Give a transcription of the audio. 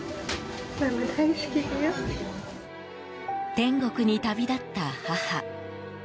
天国に旅立った母。